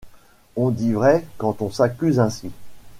On dit vrai quand on s’accuse ainsi !